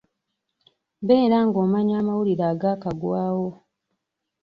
Beera ng'omanya amawulire agaakagwawo.